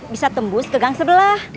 bisa tembus ke gang sebelah